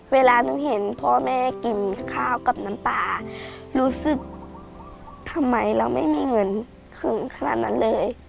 เวลาหนูเห็นพ่อแม่กินข้าวกับน้ำปลารู้สึกทำไมเราไม่มีเงินถึงขนาดนั้นเลย